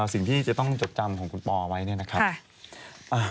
สิ่งที่จะต้องจดจำของคุณปอไว้เนี่ยนะครับ